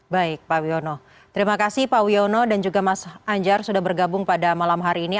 baik pak wiono terima kasih pak wiono dan juga mas anjar sudah bergabung pada malam hari ini